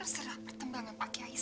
sentyah itu kami sudah tidak ingat